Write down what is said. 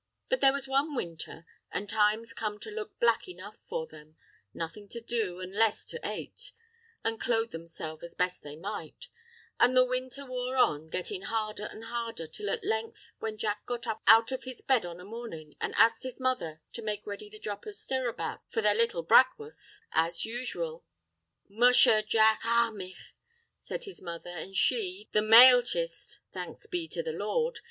But there was one winter, an' times come to look black enough for them—nothin' to do, an' less to ate, an' clothe themselves as best they might; an' the winther wore on, gettin' harder an' harder, till at length when Jack got up out of his bed on a mornin', an' axed his mother to make ready the drop of stirabout for their little brakwus as usual, "Musha, Jack, a mhic," says his mother, says she, "the male chist—thanks be to the Lord!